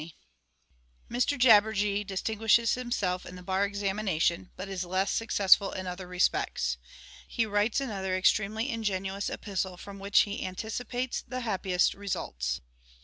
XX _Mr Jabberjee distinguishes himself in the Bar Examination, but is less successful in other respects. He writes another extremely ingenious epistle, from which he anticipates the happiest results.